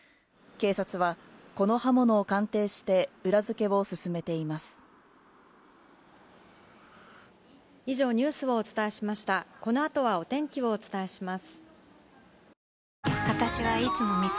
警察は、この刃物を鑑定して裏付けを進めています。